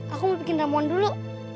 aku mau bikin ramon dulu